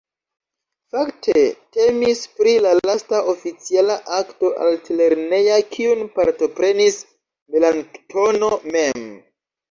Fakte temis pri la lasta oficiala akto altlerneja kiun partoprenis Melanktono mem.